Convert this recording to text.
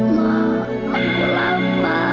ma aku lapar